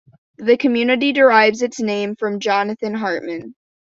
The community derives its name from Jonathan Hartman.